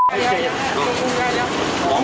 ไอ้เจน